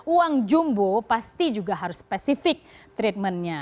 uang jumbo pasti juga harus spesifik treatmentnya